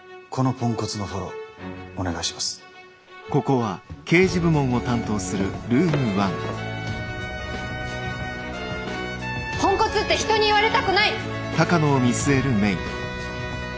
ポンコツって人に言われたくない！